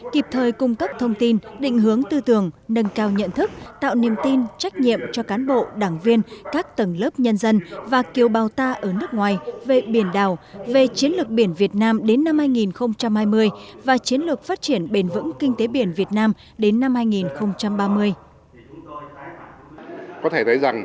kịp thời cung cấp thông tin định hướng tư tưởng nâng cao nhận thức tạo niềm tin trách nhiệm cho cán bộ đảng viên các tầng lớp nhân dân và kiều bào ta ở nước ngoài về biển đảo về chiến lược biển việt nam đến năm hai nghìn hai mươi và chiến lược phát triển bền vững kinh tế biển việt nam đến năm hai nghìn ba mươi